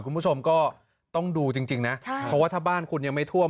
คุณผู้ชมก็ต้องดูจริงนะเพราะว่าถ้าบ้านคุณยังไม่ท่วม